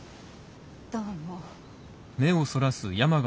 どうも。